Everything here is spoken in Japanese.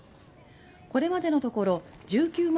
これまでのところ１９万